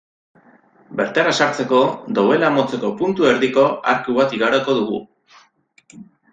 Bertara sartzeko, dobela motzeko puntu-erdiko arku bat igaroko dugu.